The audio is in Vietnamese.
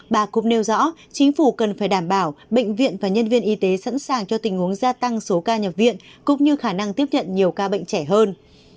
bà cũng nêu rõ chính phủ cần phải đảm bảo bệnh viện và nhân viên y tế sẵn sàng cho tình huống gia tăng số ca nhập viện cũng như khả năng tiếp nhận nhiều ca bệnh trẻ hơn